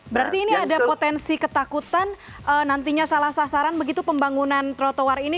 berarti ini ada potensi ketakutan nantinya salah sasaran begitu pembangunan trotoar ini